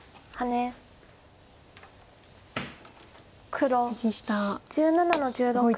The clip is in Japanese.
黒１７の十六切り。